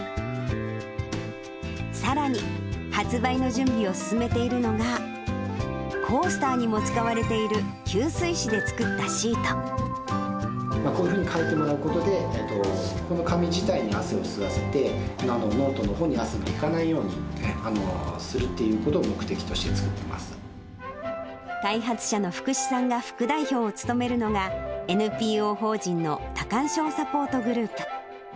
さらに、発売の準備を進めているのが、コースターにも使われている、こういうふうに書いてもらうことで、この紙自体に汗を吸わせて、ノートのほうに汗がいかないようにするっていうことを目的として開発者の福士さんが副代表を務めるのが、ＮＰＯ法人の多汗症サポートグループ。